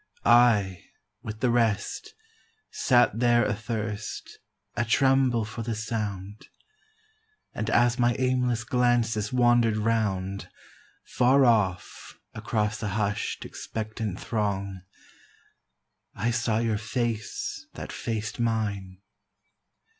I, with the rest, Sat there athirst, atremble for the sound; And as my aimless glances wandered round, Far off, across the hush'd, expectant throng, I saw your face that fac'd mine.